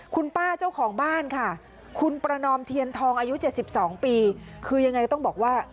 คุณป้าเจ้าของบ้านค่ะคุณประนอมเทียนทองอายุ๗๒ปีคือยังไงก็ต้องบอกว่า